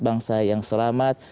bangsa yang selamat